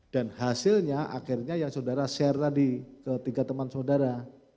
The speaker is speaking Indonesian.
dan hasilnya akhirnya yang saudara share tadi ke tiga teman saudara